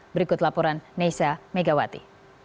berikut laporan naysha megawati